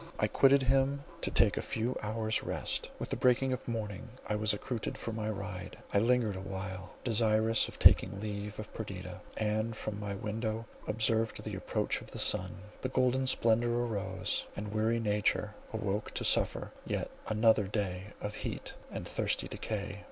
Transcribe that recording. I quitted him to take a few hours rest. With the breaking of morning I was accoutred for my ride. I lingered awhile, desirous of taking leave of Perdita, and from my window observed the approach of the sun. The golden splendour arose, and weary nature awoke to suffer yet another day of heat and thirsty decay.